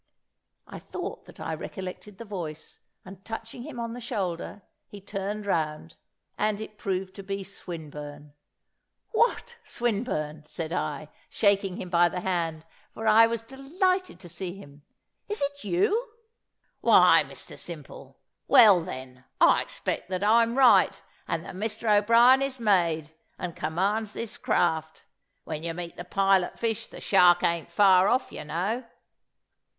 I thought that I recollected the voice, and touching him on the shoulder, he turned round, and it proved to be Swinburne. "What, Swinburne!" said I, shaking him by the hand, for I was delighted to see him, "is it you?" "Why, Mr Simple! Well, then, I expect that I'm right, and that Mr O'Brien is made, and commands this craft. When you meet the pilot fish, the shark ain't far off, you know."